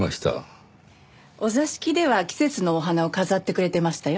お座敷では季節のお花を飾ってくれてましたよ。